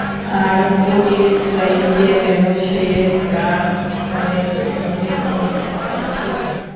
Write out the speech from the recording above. আর বনী ইসরাঈলকে যেন সে তার কয়েদ ও নিয়ন্ত্রণ থেকে মুক্তি দেয়।